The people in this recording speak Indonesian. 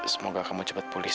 semoga kamu cepat pulih